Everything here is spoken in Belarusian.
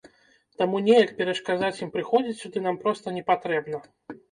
Таму неяк перашкаджаць ім прыходзіць сюды нам проста не патрэбна.